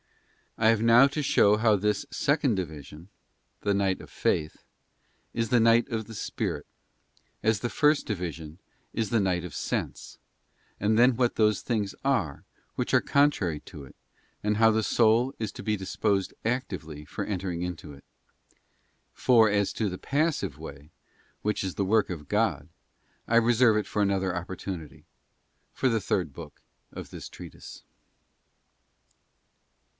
I have now to show how this second division—the night of faith—is the night of the spirit, as the first division is the night of sense, and then what those things are which are contrary to it, and how the soul is to be disposed actively for entering into it. For as to the passive way, which is the work of God, I reserve it for another opportunity —for the third book of this treatise.